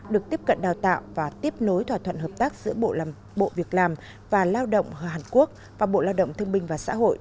được tiếp cận đào tạo và tiếp nối thỏa thuận hợp tác giữa bộ việc làm và lao động hàn quốc và bộ lao động thương binh và xã hội